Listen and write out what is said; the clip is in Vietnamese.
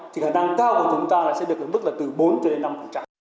thì khả năng cao của chúng ta sẽ được đến mức từ bốn đến năm